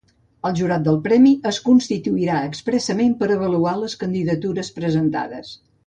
El jurat del Premi es constituirà expressament per avaluar les candidatures presentades.